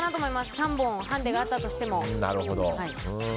３本ハンデがあったとしても。